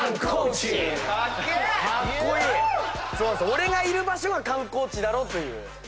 俺がいる場所が観光地だろという。